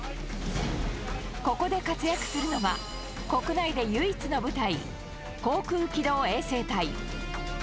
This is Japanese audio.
ここで活躍するのは、国内で唯一の部隊、航空機動衛生隊。